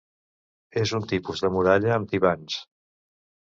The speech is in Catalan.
És un tipus de muralla amb tibants.